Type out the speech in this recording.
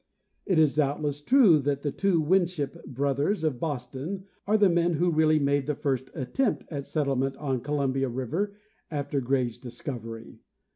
It is doubtless true that the two Winship brothers, of Boston, are the men who really made the first attempt at settlement on Columbia river after Gray's discovery.